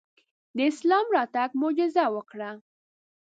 د اسلام راتګ معجزه وکړه.